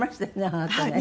あなたね。